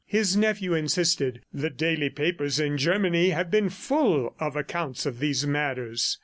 His nephew insisted. "The daily papers in Germany have been full of accounts of these matters.